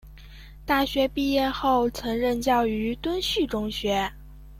大学毕业后曾任教于敦叙中学。